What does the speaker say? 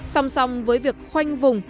xong xong với việc khoanh vùng